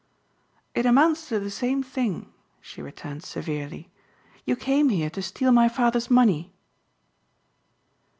"It amounts to the same thing," she returned severely, "you came here to steal my father's money."